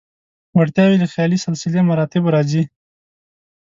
وړتیاوې له خیالي سلسله مراتبو راځي.